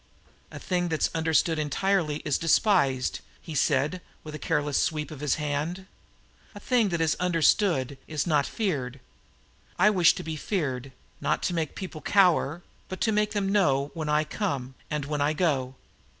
"A thing that's understood entirely is despised," he said, with a careless sweep of his hand. "A thing that is understood is not feared. I wish to be feared, not to make people cower, but to make them know when I come, and when I go.